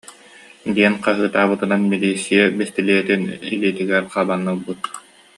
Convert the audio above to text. диэн хаһыытаабытынан милииссийэ бэстилиэтин илиитигэр хабан ылбыт